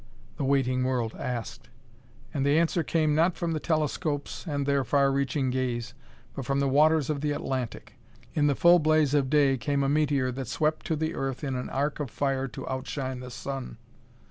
the waiting world asked. And the answer came not from the telescopes and their far reaching gaze but from the waters of the Atlantic. In the full blaze of day came a meteor that swept to the earth in an arc of fire to outshine the sun.